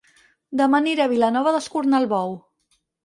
Dema aniré a Vilanova d'Escornalbou